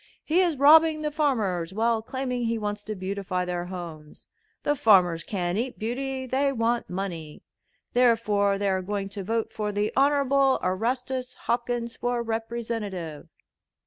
He is robbing the farmers while claiming he wants to beautify their homes. The farmers can't eat beauty; they want money. Therefore they are going to vote for the Honorable Erastus Hopkins for Representative."